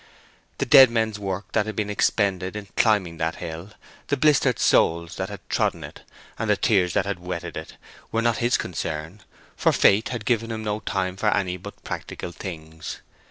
The dead men's work that had been expended in climbing that hill, the blistered soles that had trodden it, and the tears that had wetted it, were not his concern; for fate had given him no time for any but practical things.